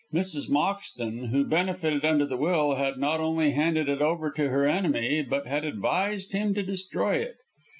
Mrs. Moxton, who benefited under the will, had not only handed it over to her enemy, but had advised him to destroy it.